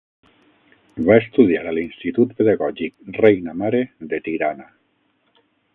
Va estudiar a l'Institut Pedagògic Reina Mare de Tirana.